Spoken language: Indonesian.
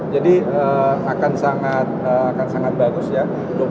jadi akan sangat bagus ya